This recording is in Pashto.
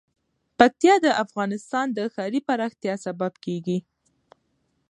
پکتیا د افغانستان د ښاري پراختیا سبب کېږي.